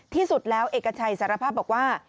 ที่สุดแล้วเอกชัยสารภาพบอกว่า